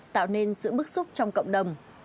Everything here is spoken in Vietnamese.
tạo nên sự bức xúc trong cộng đồng